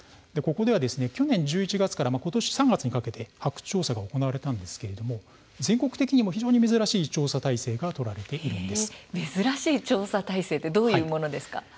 去年１１月から今年３月にかけて発掘調査が行われたんですが全国的にも非常に珍しい調査体制が珍しい調査体制どんなものですか。